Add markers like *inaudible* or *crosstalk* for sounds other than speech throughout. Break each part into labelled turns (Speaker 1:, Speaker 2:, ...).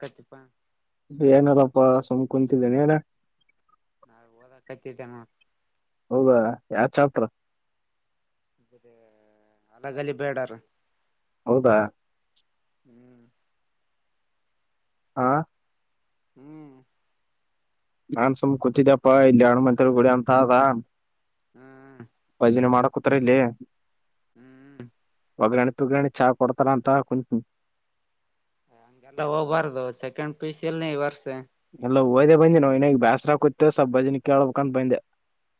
Speaker 1: ಕತ್ತಪಾ
Speaker 2: ಏನಾರಪ್ಪಾ ಸುಮ್ ಕುಂತಿದ್ದೇನೆ ಹೇಳ
Speaker 1: ಹ ಓದ ಕತಿದ್ದೇನ
Speaker 2: ಹೌದಾ ಯಾವ ಚಾಪ್ಟರ್
Speaker 1: ಅಲಗಲ್ಲಿ ಬೇಡಾರ
Speaker 2: ಹೌದಾ
Speaker 1: ಹ್ಮ್
Speaker 2: ಹಾ
Speaker 1: ಹ್ಮ್
Speaker 2: ನಾನ್ ಸುಮ್ ಕೂತಿದ್ದಪ್ಪಾ ಇಲ್ಲಿ ಅಣ್ಣ ಮಂತ ಗುಡಿ ಅಂತ ಅ
Speaker 1: ಹ್ಮ್
Speaker 2: ಕುತ್ರ ಇಲ್ಲಿ
Speaker 1: ಹ್ಮ್
Speaker 2: ಒಗ್ಗರಣ ತೊಗರಾಣಿ ಚಾ ಕೊಡ್ತಾರ ಅಂತ ಕೊ
Speaker 1: ಹಂಗೆಲ್ಲ ಹೋಗ್ಬಾರ್ದು ಸೆಕೆಂಡ್ ಪೀಸ್ ಎಲ್ಲಿ ವರ್ಷ
Speaker 2: ಎಲ್ಲ ಹೋದೆ ಬಂದೆ ನಾವು ಇನಗ್ ಬೇಸರಾ ಕುೂತೇವಬ ಭಜನೆ ಕೇಳಬೇಕಂತ ಬಂದೆ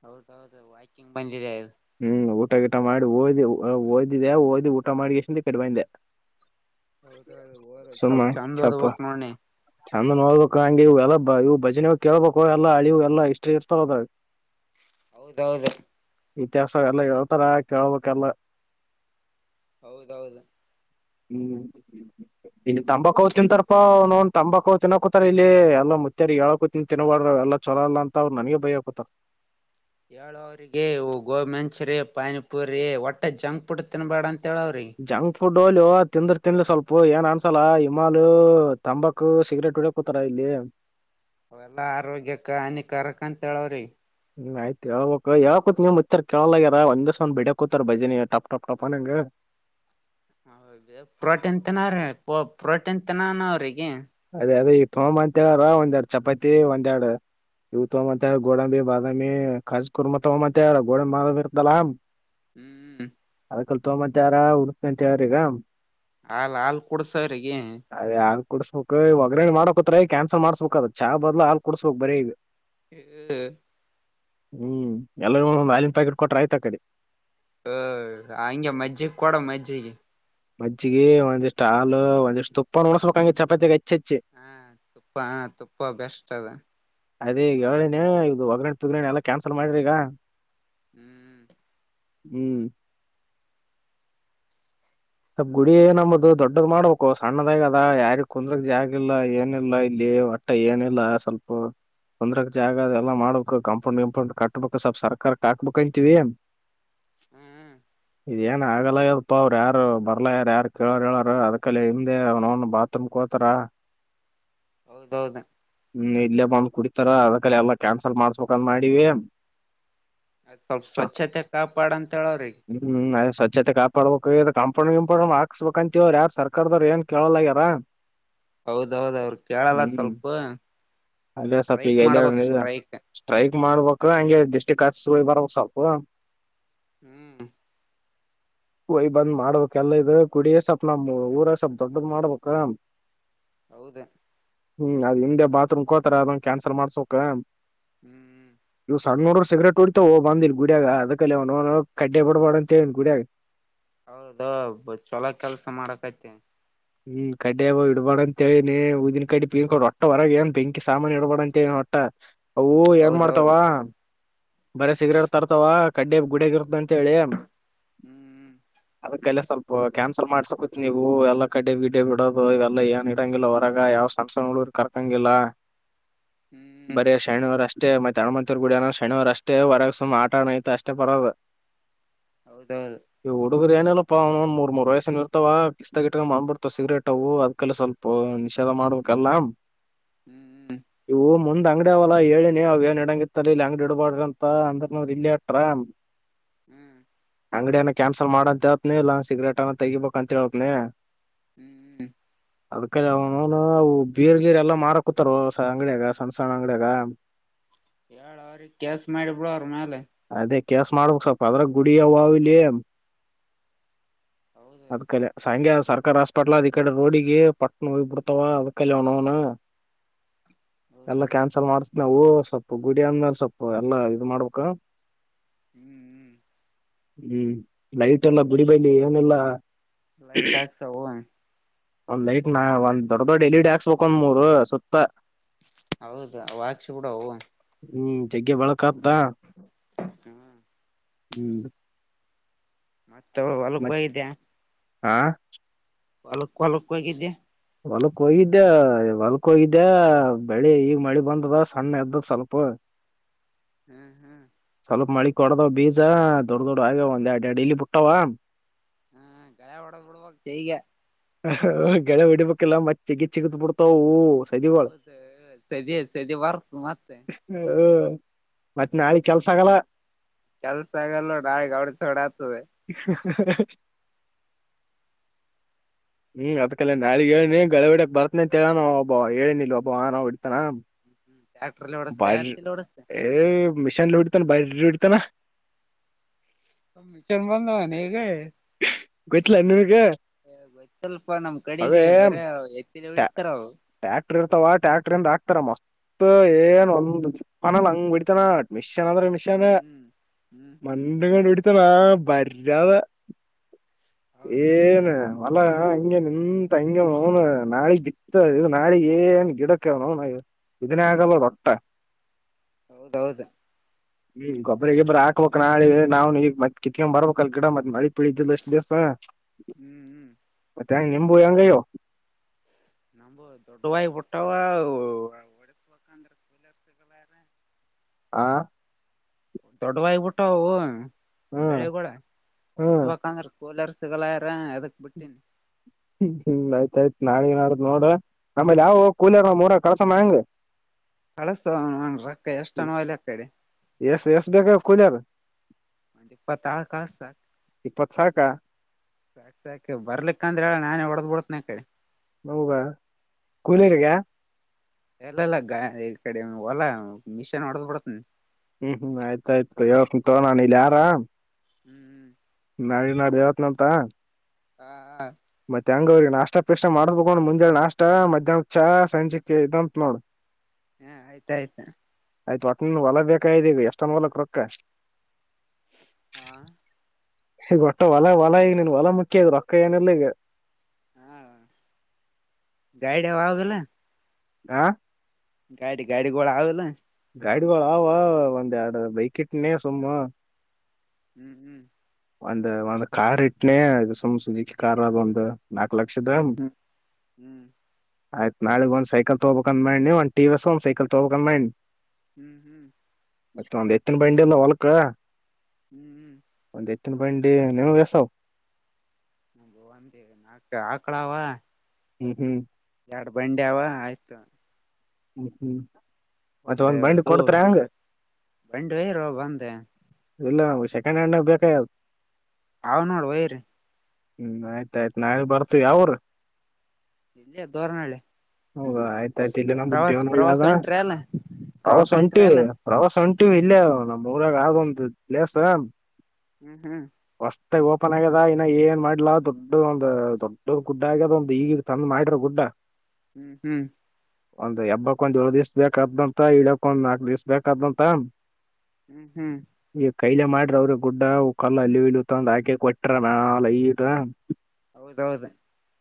Speaker 1: ಹೌದೌದು ವಾಕಿಂಗ್ ಬಂದಿದೆ
Speaker 2: ಹ್ಮ್ ಊಟ ಗಿಟ ಮಾಡಿ ಓದ್ದಿ ಓದಿದೆೆ ಓದ್ದಿ ಊಟ ಮಾಡಿ ಎಷ್ಟ ಕಡಿಬಂದೆ
Speaker 1: ಹೌದೌ ಹೋದ ಸ್ವಲ್ಪ ಚೆಂದ್ ಅದ್ ಹಕ್ ನೋಡ್ಿ
Speaker 2: ಚೆಂದ ನೋಡ್ಬೇಕು ಹಂಗಗೆ ಇ್ ಎಲ್ಲಾ ಇ್ ಭಜನೆ ಕೇಳ್ಬೇಕು ಎಲ್ಲ ಅಳಿ ಎಲ್ಲಾ ಇಷ್ಟ್ರಿ ಇರ್ತಾವದಾಗ
Speaker 1: ಹೌದೌದು
Speaker 2: ಇತಿಹಾಸ ಎಲ್ಲ ಯಾವತರ ಕೇಳ್ಬೇಕಲ್ಲ
Speaker 1: ಹೌದೌದು
Speaker 2: ಹ್ಮ್ ಇಲ್ಲಿ ತಂಬಾಕ್ ತಿಂತಾರಪ್ಪಾ ನೋ ತಂಬಾಕವ್ ತಿನ್ನಕೂತಾರ ಇಲ್ಲಿ ಎಲ್ಲ ಮುುತ್ತಾರಿ ಹೇಳಕೂ ತಿ ತಿನ್ನಬಾರ್ರ ಎಲ್ಲ ಚೊಲೋಲ್ಲ ಅಂತ ಅವರು ನನ್ಗೆ ಬಯಕತ
Speaker 1: ಹೇಳ ಅವ್ರಿಗಿ ಗೋಮೆಂಚುರಿ ಪಾನಿಪುರಿ ಒಟ್ಟ ಜಂಕ್ ಪುಟ್ಟ ತಿನ್ಬೇಡಂತ ತೆಳಾವರಿ
Speaker 2: ಜಂಕ್ ಫುಡ್ ಲ್ ತಿಂದ್ರ ತಿನ್ಲಿ ಸ್ವಲ್ಪ ಏನ್ ಅನ್ಸಲ್ಲ ಹಿಮಾಲ ತಂಬಾಕು ಸಿಗರೇಟ್ ಉಡಿಯ ಕೂತಾರ ಇಲ್ಲಿ
Speaker 1: ಅವೆಲ್ಲಾ ಆರೋಗ್ಯಕ ಹಾನಿಕಾರಕ ಅಂತ ಹೇಳವ್ರಿ
Speaker 2: ಹ ಆಯ್ತು ಯಾವಕ್ ಯಾವಕೂತ್ ನೀವ್ ಹ್ಮ್ಮ್ ಕೇಳಲಗ್ಯಾರ ಒಂದ್ದೆ ಸವನ್ ಬಿಡ ಕೂತಾರ ಬಜೆ ನೀ ಟಪ್ ಟಪ್ ಟಪನಂಗ ನಂಗಗೆ
Speaker 1: ಹೌದ ಪ್ರೋಟೀನ್ ತನ್ರೀ ಪ್ರೋಟೀನ್ ತನಾನ ಅವ್ರಿಗೆ
Speaker 2: ಅದ ಈಗ ತಗೊಂಬ ಅಂತ ಹೇಳ್ರ ಒಂದ್ ಎರಡ್ ಚಪಾತಿ ಒಂದ ಎರಡ್ ಇವವು ತಗೊ ಅಂತ ಹೇಳ ಗೋಡಂಬಿ ಬಾದಾಮಿ ಕಾಜ ಕುರ್ಮಾ ತಗೊ ಅಂತ ಹೇಳ ಗೋಡಂಬಿ ಮಾದಾಮಿ ಇರ್ತಲ
Speaker 1: ಹ್ಮ್
Speaker 2: ಕಲ್ ತಗೊಂಬಂತ ಯಾರ ಉಡುಂತ ಯಾರ ಈಗ
Speaker 1: ಹಾಲ್ ಹಾಲ್ ಕೊಡ್ಸವ್ರಿಗೆ
Speaker 2: ಕೊಡ್ಸು ಬೆಕ್ ಒಗ್ಗರಣೆ ಮಾಡಕತ್ರ ಈ ಕ್ಯಾನ್ಸಲ್ ಮಾಡ್ಸ್ಬೇಕಕ್ ಅದ ಚಾ ಬದಲ ಹಾಲ್ ಕೊಡ್ಸ್ಬೇಕ ಬರೀ ಈಗ
Speaker 1: ಹ್ಮ
Speaker 2: ಹ್ಮ್ ಎಲ್ಲೂ ಒಂದೊಂದ್ ಅಲಿನ್ ಪ್ಯಾಕೆಟ್ ಕೊಟ್ರೆ ಆಯ್ತ ಅಕಡೆ
Speaker 1: ಹ ಹಂಗೆ ಮಜ್ಜಗ್ ಕೊಡ ಮಜ್ಜಿಗೆ
Speaker 2: ಮಜ್ಜಿಗೆ ಒಂದಿಷ್ಟ ಹಾಲು ಒಂದಿಷ್ಟು ತುಪ್ಪ ಉಣಸ್ಬಬೇಕಕ್ಂಗ ಚಪಾತಿಗಿ
Speaker 1: ಹಾ ತುಪ್ಪ ಹಾ ತುಪ್ಪ ಬೆಸ್ಟ್ ಅದ
Speaker 2: ಅದೇ ಈಗ ಹೇಳ ನೀ ಇದು ಒಗ್ಗರಣ್ ತಗಣ ಎಲ್ಲಾ ಕ್ಯಾನ್ಸಲ್ ಮಾಡ್ರಿ ಈಗ
Speaker 1: ಹ್ಮ್
Speaker 2: ಹ್ಮ್ ಸಬ್ ಗುಡಿ
Speaker 1: ಮತ್
Speaker 2: ನಮ್ಮದು ದೊಡ್ಡ ದೊದ ಮಾಡ್ಬೇಕು ಸಣ್ಣದಾಗ ಅದ ಯಾರಿಗ್ ಕುಂದ್ರಕ್ ಜಾಗ ಇಲ್ಲ ಏನಿಲ್ಲಾ ಇಲ್ಲಿ ಒಟ್ಟ ಏನಿಲ್ಲ ಸ್ವಲ್ಪ ಕುಂದ್ರ ಜಾಗ ಅದ ಎಲ್ಲಾ ಮಾಡ್ಬೇಕು ಕಂಪೌಂಡ್ ವಿಂಪೌಂಡ್ ಕಟ್ಬೇಕು ಸ್ವಲ್ಪ ಸರ್ಕಾರಕ್ಕೆ ಹಾಕ್ಬೇಕಂತವಿ
Speaker 1: ಹ್ಮ್
Speaker 2: ಏನ್ ಆಗಲ್ಲದು ಪಾವ ಯಾರು ಬರ್ಲ ಯಾರ ಯಾರು ಕೇಳೋರ್ ಹೇಳರು ಅದ್ಕಲ್ಲಿ ಹಮ್ದೆ ಅವ್ನನ್ ಬಾತ್ರೂಮ್ ಹೋತಾರ
Speaker 1: ಹೌದೌದು
Speaker 2: ಹ್ಮ್ ಇಲ್ಲೇ ಬಂದ್ ಕುಡಿತಾರ ಅದಕ್ಕೆಲ್ಲ ಎಲ್ಲಾ ಕ್ಯಾನ್ಸಲ್ ಮಾಡ್ಸ್ಬೇಕಕ್ಂದ ಮಾಡಿವಿ
Speaker 1: ಅದ ಸ್ವಲ್ಪ
Speaker 2: ಛ,
Speaker 1: ಸ್ವಚ್ಛತೆ ಕಾಪಾಡ ಅಂತ ಹೇಳ ಅವ್ರಿಗೆ
Speaker 2: ಹ್ಮ್ ಅದೇ ಸ್ವಚ್ಛತೆ ಕಾಪಡ ಕಂಪೌಣಿ ವಿಂಪೌ ಹಾಕ್ಸ್ಬೇಕಕ್ ಅಂತವ್ ಯಾರಾರ್ ಸರ್ಕಾರದವ್ ಏನ್ ಕೇಳೋಲಗ್ಯಾರ
Speaker 1: ಹೌದೌದ ಅವರು ಕೇಳಲ್ಲ ಸ್ವಲ್ಪ
Speaker 2: ಅಲ್ಲೇ
Speaker 1: ಸ್ಟ್ರೈಕ್ ಮಾಡ್ಬೇಕ ಸ್ಟ್ರೈಕ್
Speaker 2: ಮಾಡ್ಬಬೇಕ ಹಂಗೆ ಡಿಸ್ಕಿಟ್ ಆಫೀಸ್ ಹೋಗ್ ಬರ್ ಸ್ವಲ್ಪು
Speaker 1: ಹ್ಮ್
Speaker 2: ಹಯ್ ಬಂದ್ ಮಾಡ್ಬೇಕ ಎಲ್ಲ ಇದು ಕುಡಿಯ ಸ್ವಪ್ ನಮ್ ಊರ ಸ್ವಲ್ಪ್ ದೊಡ್ಡದ ಮಾಡ್ಬೇಕ
Speaker 1: ಹೌದು
Speaker 2: ಹ್ಮ್ ಅದ್ ಹಿಂದೆ ಬಾತ್ರೂಮ್ ಕೋತಾರ ಅದನ್ ಕ್ಯಾನ್ಸಲ್ ಮಾಡ್ಸೋಕ್
Speaker 1: ಹ್ಮ್
Speaker 2: ಇವು ಸಣ್ಣ ನೂರು ಸಿಗ್ರೇಟ್ ಉಡ್ತ ಬಂದಿಲ್ಲ ಗುಡಿಯಾಗ ಅದಕ್ಕ ಅ ಅವ್ ಕಡ್ಡೆ ಬಿಡಬಾರಡ ಅಂತೇವನ್ ಗುಡಿಯಾಗ
Speaker 1: ಹೌದ ಛೊಲ ಕೆಲ್ಸ ಮಾಡಕೈತೆ
Speaker 2: ಹ್ಮ್ ಕಡವ ಇಡ್ಬಾರಡ ಅಂತ ಹೇಳಿನೆ ಊದಿನ ಕಡಿ ಪೀನ್ಕೊಂಡ ಒಟ್ಟ ಹೊರಗ ಏನ್ ಬೆಂಕಿ ಸಾಮಾನನ್ ಇಡಬಾರಡ ಅಂತ ಹೇಳಿ ಹೊಟ್ಟ ಅವು ಏನ್ ಮಾಡ್ತಾವ
Speaker 1: ಹೌದೌದು
Speaker 2: ಬರಿ ಸಿಗ್ರೇಟ್ ತರ್ತಾವ ಕಡೆಬಿ ಗುಡಗ ಇರುತ್ತ ಅಂತ ಹೇಳಿ
Speaker 1: ಹ್ಮ್
Speaker 2: ಅದಕ್ಕೆಲ್ಲ ಸ್ವಲ್ಪ ಕ್ಯಾನ್ಸಲ್ ಮಾಡ್ಸಕ ನೀವು ಎಲ್ಲ ಕಡೆ ಬೀಡಿಯ ಬಿಡೋದು ಇವೆಲ್ಲ ಏನ್ ಇಡಂಗಿಲ್ಲ ಹೊರಗ ಯಾವ್ ಸಣ್ಣಸಣಗಳ ಕರ್ಕಂಗಿಲ್ಲ
Speaker 1: ಹ್ಮ್
Speaker 2: ಬರಿ ಶನಿವಾರ ಅಷ್ಟೇ ಅಷ್ಟೇ ಮತ್ತೆ ಅಣಮ್ಮತ್ತೂ ಗುಡಿಯನ ಶನಿವಾರ ಅಷ್ಟೇ ಹೊರಗೆ ಸುಮ್ ಆಟ ಆಯ್ತ ಅಷ್ಟೇ ಬರೋದು
Speaker 1: ಹೌದೌದು
Speaker 2: ಏನಿಲ್ಲಪ್ಪ ಮೂರು ಮೂರು ರೇಷನ್ ಇರ್ತವ ಕಿಸ್ತಟ್ಟ ಮಾಡಂದ್ಬಿಡ್ತಾವ ಸಿಗ್ರೇಟ್ ಅವು ಅದ್ಲ್ಲ ಸ್ವಲ್ಪ ನಿಷೇಧ ಮಾಡ್ಬೇಕಲ್ಲ
Speaker 1: ಹ್ಮ್ ಹ್ಮ್
Speaker 2: ಇವು ಮುಂದ್ ಅಂಗಡಿ ಅವಲ್ಲಾ ಏನ್ ಇಡಂಗಿತ್ತ ಇಲ್ಲಿ ಅಂಗಡಿ ಇಡಬಾರಡ್ರ ಅಂತ ಅಂದ್ರನೋ ಅವ್ರು ಇಲ್ಲೇ ಇಟ್ರೆ
Speaker 1: ಹ್ಮ್
Speaker 2: ಅಂಗಡಿಯ ಕ್ಯಾನ್ಸಲ್ ಮಾಡ ಅಂತ ಹೇತನಿ ಇಲ್ಲಾ ಸಿಗರೇಟ್ ನಾ ತೆಗೀಬೇಕು ಅಂತ ಹೇತನಿ
Speaker 1: ಹ್ಮ್ ಹ್ಮ್
Speaker 2: ಅದ್ಕಡೆ ಅವನುವು ಬೀರ್ ಗೀರ್ ಎಲ್ಲಾ ಮಾರಕೂತಾರ ಅಂಗಡಿಯಾಗ ಸಣ್ಣ ಸಣ್ಣ ಅಂಗಡಿಯಾಗ
Speaker 1: ಹೇಳಳ್ ಅವ್ರಿಗೆ ಕೇಸ್ ಮಾಡಿ ಬಿಡು ಅವರ ಮೇಲೆ
Speaker 2: ಕೆೇಸ್ ಮಾಡ್ಬೇಕಕ್ ಸ್ವಲ್ಪ ಅದ್ರ ಗುಡಿಯ ಇಲ್ಲಿ
Speaker 1: ಹೌದು
Speaker 2: ಅದ್ ಕಲೆ ಸರ್ಕಾರಿ ಹಾಸ್ಪಿಟ್ಲ್ ಅದ್ ಈ ಕಡೆ ರೋಡಿಗೆ ಪಟ್ ನೋಗ ಬಿಡ್ತಾವ ಅದಕ್ಕ ಆವ್ನುನು ಎಲ್ಲಾ
Speaker 1: ಹೌದೌದು
Speaker 2: ಕ್ಯಾನ್ಸಲ್ ಮಾಡಸ ಅವು ಸ್ವಲ್ಪ ಗುಡಿ ಅಂದ್ಮೇಲೆ ಸ್ವಲ್ಲ ಎಲ್ಲಾ ಇದ ಮಾಡ್ಬೇಕ
Speaker 1: ಹ್ಮ್ ಹ್ಮ್
Speaker 2: ಹ್ಮ್ ಲೈಟ್ ಎಲ್ಲ ಗುಡಿ ಬಳಿ ಏನಿಲ್ಲ
Speaker 1: ಲೈಟಚ್ ಹೋಗಮ್ಮ
Speaker 2: ಒಂದ್ ಲೈಟ್ ನ ಒಂದ ದೊಡ್ಡ ದೊಡ್ಡ ಎಲ್ಇಡಿ ಹಾಕಿಸಬೇಕು ಒಂದ್ ಮೂರು ಸುತ್ತ
Speaker 1: ಹೌದ ಅವ ಹಾಕ್ಸಿ ಬಿಡವು
Speaker 2: ಹ್ಮ ತೇಗಿ ಬಾಳ
Speaker 1: ಹ್ಮ್
Speaker 2: ಹ್ಮ
Speaker 1: ಮತ್ತ ಹೊಲ್ಕ ಹೋಗಿದ್ಯಾ
Speaker 2: ಹಾ
Speaker 1: ಹೊಲ ಹೊಲಕ್ಕೆ ಹೋಗಿದ್ಯಾ
Speaker 2: ಹೊಲ್ಕಕೆ ಹೋಗಿದ್ದೆ ಹೊಲ್ಕ್ಕೆ ಹೋಗಿದ್ದೆ ಬೆಳಿ ಈಗ ಮಳಿ ಬಂದದ ಸಣ್ಣ ಎದ್ದದ ಸ್ವಲ್ಪ
Speaker 1: ಹ್ಮ್ ಹ್ಮ್
Speaker 2: ಸ್ವಲ್ಪ ಮಳಿ ಕೊಡದವ್ ಬೀಜ ದೊಡ್ ದೊಡ್ ಆಗ ಒಂದ್ರಡ್ ಎರಡು ಇಲಿ ಬಿಟ್ಟವ
Speaker 1: ಹ್ಮ ಗಳೇ ಹೊಡೆದುಬಿಡಬೇಕು ಈಗ
Speaker 2: ಗಳೆ ಹೊಡಿಬೇಕಕ್ಕೆೆಲ್ಲ ಮತ್ತೆ ಚಿಗತ್ ಚಿಗುರಿ ಬಿಡ್ತಾವು ಸದಿಗಳು
Speaker 1: ಹೌದ ಸೆದೆ ಸೆದೆ ವರ್ಕ್ ಮತ್ತೆ
Speaker 2: ಮತ್ ನಾಳೆ ಕೆಲ್ಸ ಆಗಲ್ಲ
Speaker 1: ಕೆಲ್ಸ ಆಗಲ್ಲ ನಾಳಗ ಓಷಧಿ ಹೊಡೆತದ್ದೆ
Speaker 2: *inaudible* ಹ್ಮ್ ಅದ್ ಕಲೆ ನಾಳಗ್ ಹೇಳನಿ ಗಳಹೊಡಿಯೋಕೆ ಬರ್ತನ ಅಂತ ಹೇಳನ ಒಬ್ಬ ಹೇಳೇನಿಲ್ವ ಒಬ್ಬಾ ಹೊಡೀತಾನೆ
Speaker 1: ಟ್ಯಾಕ್ಟ್ರಲ್ಲಿ ಹೊಡಸ್ತೆ ಎತ್ತಿಲಿ ಹೊಡಸ್ತೆ
Speaker 2: ಹೇ ಮಷೀನ್ ಅಲ್ಲಿ ಹೊಡೀತಾನೆ ಬೈ ಹೊಡಿತನ
Speaker 1: ಚೆಂದ್ ಬಂದವನ ಈಗೆ
Speaker 2: ಗಾ ನಿಮಗೆ
Speaker 1: ಗತ್ತು ಸ್ವಲ್ಪ ನಮ್ ಕಡೆಗೆ ಬರ
Speaker 2: ಟ
Speaker 1: ಹೊಡಿತಾರ ಅವು
Speaker 2: ಟ್ಯಾಕ್ಟರ್ ಇರ್ತವ ಟ್ಯಾಕ್ಟರ್ಂದ ಹಾಕ್ತಾರಮ್ಮ ಮತ್ತ ಏನ್ ಒಂದು ಪನಲ್ ಹಂಗ್ ಬಿಡ್ತಾನ ಅಡ್ಮಿಷ ನಿನ್ಂದ ಮಷನ್
Speaker 1: ಹ್ಮ್ ಹ್ಮ್ ಹ್ಮ್ ಹ್ಮ್
Speaker 2: ಮೆ ಇತ್ತನಾ ಬರದ
Speaker 1: ಹೌದು
Speaker 2: ಏನು ಒಲ ಹಾ ಹಂ ನಿ ಎಂತ ಅಂಗ ಮೋನು ನಾಳಿಿತ್ತ ಇದು ನಾಿಗ್ ಏನ್ ಗಿಡಕ್ಕೆವ ನೋ ಇದನೇ ಆಗಲ್ಲ ರೊಟ್ಟ
Speaker 1: ಹೌದೌದು
Speaker 2: ಹ್ಮ್ ಗೊಬರ ಗೊಬ್ಬರ ಹಾಕ್ಬೇಕಕ್ ನಾಳೆ ನಾವವು ನೀ ಮತ್ ಕಿತ್ತಕೊ್ ಬರ್ಬೇಕ ಅಲ್ ಗಿಡ ಮತ್ ಮಳ ಳ್ದಲ್ಲ ಅಷ್ಟು ದಸ
Speaker 1: ಹ್ಮ್ ಹ್ಮ್
Speaker 2: ನಿಂಬು ಯಂಗಯೋ
Speaker 1: ನಮು ದೊಡ್ಡ ವ ಬಿಟ್ಟವ ಒಡಸ್ಬೇಕಂದ್ರೆ ಕೂಲಿಯಾರ ಸಿಗಲ್ಲಾರ
Speaker 2: ಹಾ
Speaker 1: ದೊಡ್ಡವಾಗಬಿಟ್ಟವು
Speaker 2: ಹ್ಮ್
Speaker 1: ಬೆಳಿಗೂಡ
Speaker 2: ಹ್ಮ್
Speaker 1: ಒಡಸ್ಬೇಕಂದ್ರ ಕೋಲರ್ಸುಗಳಾರರ
Speaker 2: ಹ್ಮ್ ಆಯ್ತ ಆಯ್ತು ನಾಳೆ ನ ನೋಡ್ರ ಆಮೇಲೆ ಯಾವ ಕೂಲರ್ ಮೂರ ಕಳಸ ಮ್ಯಾಂಗ
Speaker 1: ಕಳಸ ಅನ್ರೋಕ್ಕ ಎಷ್ಟ ಅಣ ಅಲ್ಲಿ ಕೇಳೆ
Speaker 2: ಎಸ್ ಎಷ್ಟ ಬೇಕ ಕುೂಲಿಯಾರ
Speaker 1: ಮೆ ಇಪತಾಳು ಕಳಿಸು ಸಾಕ್
Speaker 2: ಇಪ್ಪತ್ ಸಾಕ
Speaker 1: ಸಾಕಿ ಬರ್ಲಿಕ್ಕ ಅಂದ್ರೆ ಹೇಳ ನಾನೇ ಹೊಡದ್ ಬಿಡತನ ಕಿ
Speaker 2: ಹೌವ ಕೂಲಿರ್ಗ
Speaker 1: ಎಲ್ಲಲ್ಲ ಗ ಇ ಕಡೆ ಒಲ್ಲ ಮಿಶನ್ ಮಾಡಡದು ಪಡತ
Speaker 2: ಹ್ಮ್ ಹ್ಮ್ ಆಯ್ತಾಯ್ತು ಯಕ್ ತೋ ನಾನ ಇಲ್ಲಿ ಆರಾಮ್
Speaker 1: ಹ್ಮ್ ಹ್ಮ್
Speaker 2: ನಾಡ ನಾ ಯವತ್ನಂತ
Speaker 1: ಹಾ ಹಾ
Speaker 2: ಮತ್ತೆ ಹೆಂಗ ಅವ್ರಿಗೆ ನಾಷ್ಟಪಿಶ ಮಾಡ್ಬೇಕಕೊಂಡ್ ಮುಂಜಾಳೆ ನಾಷ್ಟ ಮಧ್ಯಾಹ್ನ ಚ ಸಂಜಿಕ ಇದಂತ ನೋಡ್
Speaker 1: ಹಾ ಆಯ್ತಾಯಯ್ತಾ
Speaker 2: ಆಯ್ತು ಒಟ್ಟನ್ ಹೊಲ ಬೇಕಾ್ದೀವಿ ಎಷ್ಟೊಂದ ಹೊಲಕ್ ರೊಕ್ಕ
Speaker 1: ಹಾ
Speaker 2: ಈಗೊಟ್ಟ ಹೊಲ ಹೊಲ ಈಗ ನೀನ್ ಹೊಲ ಮುಖ್ಯ ಅದ ರೊಕ್ಕ ಏನೆಲ್ಲ ಈಗ
Speaker 1: ಹಾ ಗೈಡ ಹವಾಗಲ್ಲ
Speaker 2: ಆ
Speaker 1: ಗಾಡಿ ಗಾಡಿ ಗೋಳ್ ಆವಿಲ್ಲ
Speaker 2: ಗಾಡಿಗಳ ಅವ ಒಂದ ಎರಡು ಬೈಕ್ ಇಟ್ಟನೆ ಸುಮ್ಮ
Speaker 1: ಹ್ಮ್ ಹ್ಮ್
Speaker 2: ಒಂದು ಒಂದು ಕಾರ್ ಇಟ್ಟನನೆ ಇದು ಸುಮ್ ಸುಜಿಕ ಕಾರ್ ಅದು ಒಂದು
Speaker 1: ಹ್ಮ್ ಹ್ಮ್ ಹ್ಮ್
Speaker 2: ಆಯ್ತ್ ನಾಳಗ್ ಒಂದ ಸೈಕಲ್ ತಗೋಬೇಕಂದ್ ಮಾಡಿ ಒಂದ್ಟಿಸ್ ಒಂದ ಸೈಕಲ್ ತಗೋಬೇಕಂದ ಮಾಡಿ
Speaker 1: ಹ್ಮ್ ಹ್ಮ್
Speaker 2: ಮತ್ತ ಒಂದ್ ಎತ್ತನ ಬೈಂಡಿ ಎಲ್ಲ ಹೊಲಕ್ಕ
Speaker 1: ಹ್ಮ್ ಹ್ಮ್
Speaker 2: ಎತ್ತನ್ ಬಂಡಿ ನೀವು ಎಷ್ಟೋ
Speaker 1: ನಾ ಬ ಆಕಳಾವ
Speaker 2: ಹ್ಮ್ ಹ್ಮ್
Speaker 1: ಎರಡು ಬಂಡೆವ ಆಯ್ತು
Speaker 2: ಹ್ಮ್ ಹ್ಮ್ ಮತ್ತ
Speaker 1: ಒಂದೇ
Speaker 2: ಒಂದ್ ಬಂಡಿ
Speaker 1: ದೊಡ್ಡು
Speaker 2: ಕೊಡ್ತರ ಹೆಂಗ
Speaker 1: ಬಂಡೇರ ಒಂದೆ
Speaker 2: ಇಲ್ಲ ಸೆಕೆಂಡ್ ಹ್ಯಾಂಡ್ ಬೇಕ ಆಯ್ದದು
Speaker 1: ಹೌ ನೋಡು ವೈರಿ
Speaker 2: ಹ್ಮ್ ಆಯ್ತಾಯಯ್ತು ನಾಳೆ ಬರ್ತೀವಿ ಅವಾವ್ರ
Speaker 1: ಇಲ್ಲೇ ದೋರ್ನಹಳ್ಳಿ
Speaker 2: ಹೋಗಾ ಆಯ್ತ ಆಯ್ತು ಇಲ್ಲ ನುದ
Speaker 1: ಪ್ರವಾಸ ಪ್ರವಾಸ
Speaker 2: ಒಳ್ಳಾಗ
Speaker 1: ಹೊಂಟ್ರಿ ಅಲ್ಲ
Speaker 2: ಪ್ರವಾಸ ಉಂಟು
Speaker 1: ಹೊಂಟ್ರಿ ಅಲ್ಲ
Speaker 2: ಪ್ರವಾಸ ಸೊಂಟೇವ ಇಲ್ಲೇ ನಮ್ ಊರಾಗ ಆದ ಒಂದು ಪ್ಲೇಸ್
Speaker 1: ಹ್ಮ್ ಹ್ಮ್
Speaker 2: ಮತ್ತ ಓಪನ್ ಆಗ್ಯದ ಇನ್ನ ಏನ್ ಮಾಡ್ಲ ದೊಡ್ಡ ಒಂದ್ ದೊಡ್ಡ ಗುಡ್ಡ ಆಗ್ಯದ ಒಂದ್ ಈಗೀಗ ಚಂದ್ ಮಾಡಿರೋ ಗುಡ್ಡ
Speaker 1: ಹ್ಮ್ ಹ್ಮ್
Speaker 2: ಹ ಈ ಹಬ್ಬಕ್ ಒಂದ ಏಳು ದಿವ್ ಬೇಕಕ್ದಂತ ಈ ಇಡಕ್ ಒಂದ್ ನಾಕಕ್ ದಿವಸ ಬೇಕಾದಂತ
Speaker 1: ಹ್ಮ್ ಹ್ಮ್
Speaker 2: ಈ ಕೈಲೆ ಮಾಡ್ರ ಅವ್ರರು ಗುಡ್ಡ ಕಲ್ಲ ಅಲ್ಲಿ ಇಲ್ಲಿ ತಗಂದ್ ಹಾಕಕ್ ಕೊಟ್ರ ನಾಲ ಈರ
Speaker 1: ಹೌದೌದು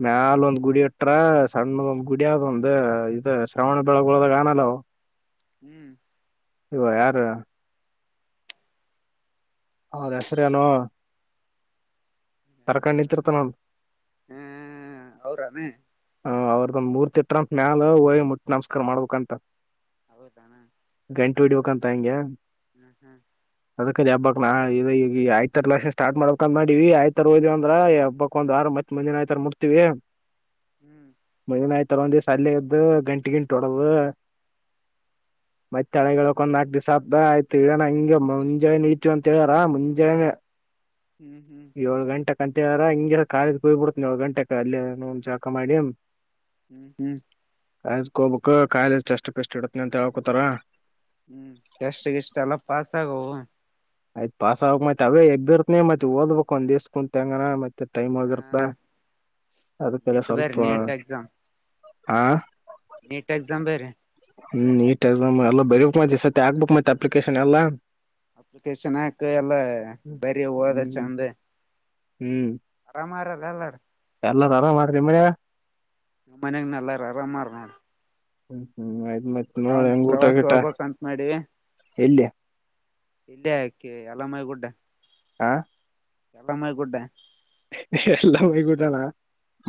Speaker 2: ಮ್ಯಾಲ ಒಂದ್ ಗುಡಿ ಇಟ್ರ ಸಣ್ಣದ ಒಂದ್ ಗುಡದ ಒಂದ ಇದು ಶ್ರಾವಣ ಬೆಳಗ್ಗಳದಾಗ ಆನಲ್ಲಾವು
Speaker 1: ಹ್ಮ್
Speaker 2: ಇ ಯಾರು ಹೌದಾ ಸರಿಯಾನು ತರಕಂಡ ನಿತಿರ್ತನ
Speaker 1: ಹ್ಮ್ ಅವ್ರಾನೇ
Speaker 2: ಹ ಅವ್ರದ ಮೂರ್ತಿಟ್ರ ಅಂತ ಮ್ಯಾಲ ಹೋಗಿ ಮುಟ್ಟಿ ನಮಸ್ಕಾರ ಮಾಡ್ಬೇಕಂತ
Speaker 1: ಹೌದಾ
Speaker 2: ಗಂಟು ಹ ಇಡ್ಬೇಕಂತ ಹಂಗೆ
Speaker 1: ಹ್ಮ್ ಹ್ಮ್
Speaker 2: ಅದಕ ಹಬ್ಬಕ್ ನಾ ಈಗ ಈ ಆಯ್ತಲ್ಲಾ ಸ್ಟಾರ್ಟ್ ಮಾಡಕ ಮಾಡೀವಿ ಆಯ್ತರ ಹೋದ್ವ ಅಂದ್ರ ಹಬ್ಬಕ್ ಒಂದ್ ಆರು ಮತ್ತತ್ ಮಂದಿನ ಆಯ್ತರ ಮುಡ್ತಿವಿ
Speaker 1: ಹ್ಮ್
Speaker 2: ಇತ್ತ ಒಂದ ದಿವಸ ಅಲ್ಲ ಇದದ್ದು ಗಂಟಿ ಗಿಟ ಹೋಡ್ದ ಮತ್ತ ತಳೆಗಕ್ ಒಂದ್ ನಾಲ್ಕು ದಿವಸ ಆದ ಆಯ್ತು ಇನ ಹಂಗ ಮುಂಜಾನೆ ಇತ ಅಂತ ಹೇಳಾರ ಮುಂಜಾನೆ
Speaker 1: ಹ್ಮ ಹ್ಮ
Speaker 2: ಗಂಟೆರ ಹಿಂಗಿರ ಕಾಲೇಜ್ ಹೋಗ್ ಬಿಡ್ತನ ಎಳೆ ಗಂಟೆ ಅಲ್ಲಿ ಜಳಕಾ ಮಾಡಿ
Speaker 1: ಹ್ಮ್ ಹ್ಮ್
Speaker 2: ಕಾಲೇಜ ಹೋಗ್ಬೇಕ ಕಾಲೆಜ ಟೆಸ್ಟ್ ಪೆಟ್ ಇಡತ್ತನಿ ಅಂತ ಹಳ್ಕೋತಾರ
Speaker 1: ಹ್ಮ್ ಟಸ್ಟ್ ಗ ಗಿಷ್ಟ ಎಲ್ಲ ಪಾಸ್ ಆಗುವವು
Speaker 2: ಆಯ್ತ್ ಪಾಸ ಆಗ ಮತ್ತತ್ ಅವೇ ಎಬ್ಬಿರ್ತನನೆ ಮತ್ ಓದ್ಬೇಕಕ್ ಒಂದ್ಸ ಕುೂಂತಂಗಣ ಮತ್ತತ್ ಟೈಮ್
Speaker 1: ಹಾ
Speaker 2: ಆಗಿರ್ತಾ ಅದಕ್ಕೆಲ್ಲ
Speaker 1: ನೀಟ್ ಬೇರೆ
Speaker 2: ಸ್ವಲ್ಪ ಹಾ
Speaker 1: ನ ನೀಟ್ ಎಕ್ಸಾಮ ಬೇರೆ
Speaker 2: ಮ ಎಕ್ಸಾಮ್ ಬರೆಯುತ್ತೇನೆ
Speaker 1: *inaudible* ಹ್ಮ್ ಅಪ್ಲಿಕೇಶನ್ ಹಾಕ ಎಲ್ಲ ಬರಿ ಹೋದ
Speaker 2: ಹ್ಮ್
Speaker 1: ಚಂದ
Speaker 2: ಹ್ಮ್
Speaker 1: ಮಾರಲ್ಲ ಎಲ್ಲರ
Speaker 2: ಎಲ್ಲರ ಆರಾಮದಾರಣೆ ಮನೆಗೆ
Speaker 1: ನಮ್ಮ ಮನ್ಯಾಗ ನಲ್ಲಾರ ಆರಾಮಾರ ನೋಡ
Speaker 2: ಹ್ಮ್ ಹ್ಮ್ ಆಯ್ತು ಮತ್ತ ನಳ
Speaker 1: ನಾವನ್
Speaker 2: ಎಂಗೂಟ
Speaker 1: ಪ್ರವಾಸ
Speaker 2: ಇಟ್ಟ
Speaker 1: ಹೋಗ್ಬೇಕಂತ
Speaker 2: ಇಲ್ಲಯ
Speaker 1: ಇಲ್ಲಯ ಎಲ್ಲ ಮಾಡಗೂಟ
Speaker 2: ಹಾ
Speaker 1: ಎಲ್ಲ ಮಾಡಕೂಟ *inaudible*
Speaker 2: ಎಲ್ಲ ಮೋಗಗಊಟಣ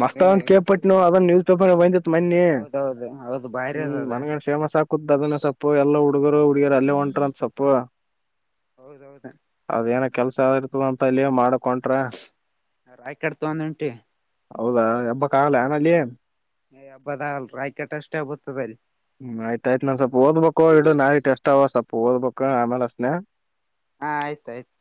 Speaker 2: ಮಸ್ತ್
Speaker 1: ಏ
Speaker 2: ಅದ್ ಕೇಳ್ಪಟ್ಟ ನವು ಅದನ್ನ ನೀವು ಒಂದು *unintelligible* ಮನ್ನಿ
Speaker 1: ಹೌದೌದು ಹೌದು ಬಾರಿ
Speaker 2: ಹ್ಮ
Speaker 1: ಅದ ಅದ
Speaker 2: ಮನ್ಗಂಡ ಶೇಮ ಸಾ ಕುದ ನ ಸಪ್ಪು ಎಲ್ಲಾ
Speaker 1: ಹ್ಮ್
Speaker 2: ಹುಡುಗರು ಹುಡುಗಿಯರು ಅಲ್ಲೇ ಹೊಂಟ್ರ ಅಂತ ಸೊಪ್ಪು
Speaker 1: ಹೌದೌದು
Speaker 2: ಅದೇನ ಕೆಲ್ಸ ಯಾವ ಇರ್ತದ ಅಂತಲ್ಲಿಯ ಮಾಡಕೊಟ್ರ
Speaker 1: ರಾಯ್ ಕಾಡ್ತ ಒಂದ ಉಂಟಿ
Speaker 2: ಹೌದಾ ಎಬ್ಬ ಕಾಗಲ್ಲ ನನ ಅಲ್ಲಿ ಏನ್
Speaker 1: ಯ ಹಬ್ಬದ ಅಲ್ ರಾಯ್ಕಟ್ಟ ಅಷ್ಟೇಬತ್ತದರಿ
Speaker 2: ಹ್ಮ್ ಆಯ್ತಾಯಯ್ತ್ ನಾ್ ಸ್ವಲ್ಪ ಓದಬೇಕು ಇ ನಾಿ ಟೆಸ್ಟ್ ಅವ ಸ್ವಲ್ಪ ಓದ್ಬೇಕು ಆಮೇಲೆ ಅಚ್ಛೇತೇ
Speaker 1: ಹಾ ಆಯ್ತ ಆಾಯ್ತು